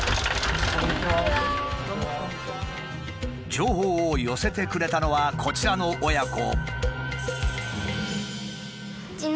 情報を寄せてくれたのはこちらの親子。